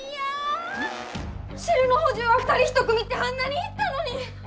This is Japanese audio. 汁の補充は２人一組ってあんなに言ったのに！